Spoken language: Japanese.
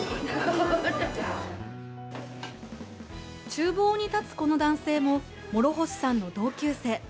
ちゅう房に立つこの男性も諸星さんの同級生。